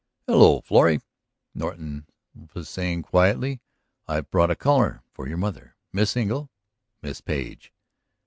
"Hello, Florrie," Norton was saying quietly. "I have brought a caller for your mother. Miss Engle, Miss Page."